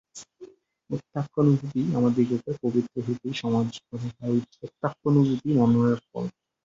প্রত্যক্ষানুভূতিই আমাদিগকে পবিত্র হইতে সাহায্য করে, আর ঐ প্রত্যক্ষানুভূতি মননের ফল।